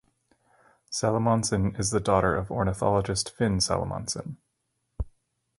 Salomonsen is the daughter of ornithologist Finn Salomonsen.